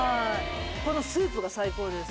このスープが最高です。